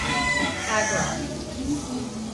Agron.